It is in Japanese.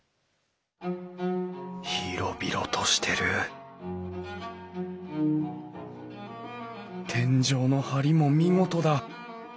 広々としてる天井の梁も見事だ！